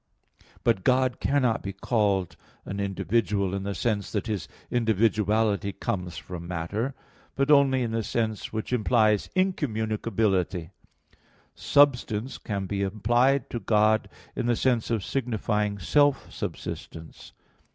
But God cannot be called an "individual" in the sense that His individuality comes from matter; but only in the sense which implies incommunicability. "Substance" can be applied to God in the sense of signifying self subsistence.